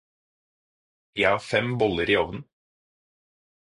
Jeg har fem boller i ovnen!